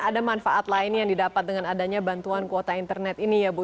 ada manfaat lain yang didapat dengan adanya bantuan kuota internet ini ya bu